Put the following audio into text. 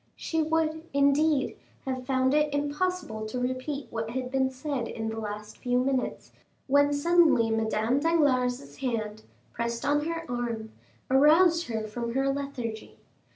She would, indeed, have found it impossible to repeat what had been said the last few minutes, when suddenly Madame Danglars' hand, pressed on her arm, aroused her from her lethargy.